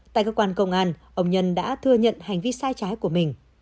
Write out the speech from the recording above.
tại cơ quan công an ông nhân đã thừa nhận hành vi sai trái của mình